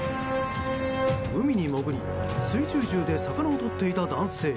海に潜り水中銃で魚をとっていた男性。